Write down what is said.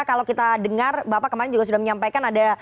kalau kita dengar bapak kemarin juga sudah menyampaikan ada